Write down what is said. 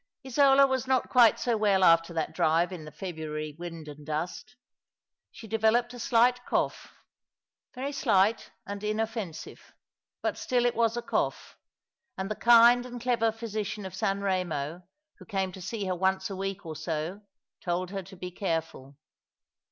IsoLA was not quite so well after that driye in the February wind and dust. She developed a slight cough — yery slight and inoffensive ; but still it was a cough— and the kind and clever physician of San Eemo, who came to see her once a week or so, told her to be careful.